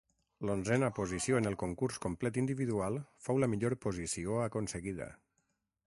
L'onzena posició en el concurs complet individual fou la millor posició aconseguida.